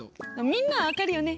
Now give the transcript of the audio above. みんなは分かるよね。